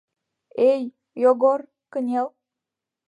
Эй, Йогор, кынел!..